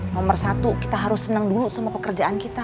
nomor satu kita harus seneng dulu sama pekerjaan kita